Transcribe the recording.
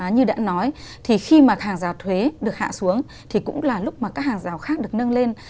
như đã nói thì khi mà hàng rào thuế được hạ xuống thì cũng là lúc mà các hàng rào khác được nâng lên